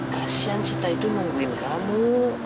kasian sita itu nungguin kamu